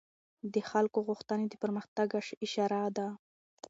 د خلکو غوښتنې د پرمختګ اشاره ده